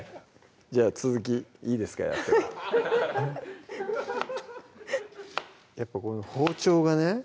じゃあ続きいいですかやってはいやっぱこの包丁がね